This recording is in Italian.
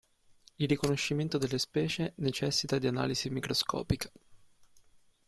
Il riconoscimento delle specie necessita di analisi microscopica.